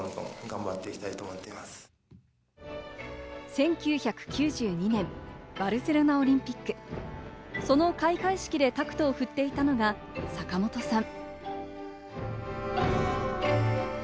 １９９２年、バルセロナオリンピック、その開会式でタクトを振っていたのが坂本さん。